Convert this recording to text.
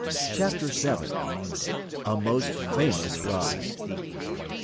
] CHAPTER VII. A MOST FAMOUS RIDE.